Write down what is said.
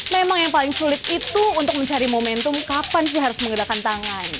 memang yang paling sulit itu untuk mencari momentum kapan sih harus menggunakan tangan